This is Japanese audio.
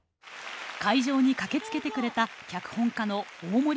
会場に駆けつけてくれた脚本家の大森美香さん。